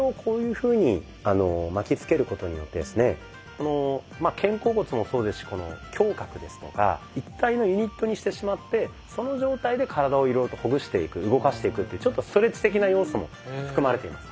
この肩甲骨もそうですし胸郭ですとか一体のユニットにしてしまってその状態で体をいろいろとほぐしていく動かしていくっていうちょっとストレッチ的な要素も含まれています。